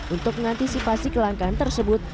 untuk mengantisipasi kelangkaan tersebut